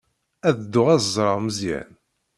Ad dduɣ ad ẓreɣ Meẓyan.